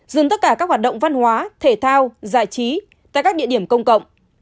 dừng tất cả các hoạt động văn hóa thể thao giải trí tại các địa điểm công cộng